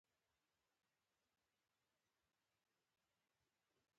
یوه موروثي ارستوکراسي کولای شي نرم وضعیت رامنځته کړي.